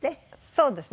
そうですね。